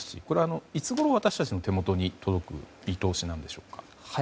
これはいつごろ私たちの手元に届く見通しなんでしょうか。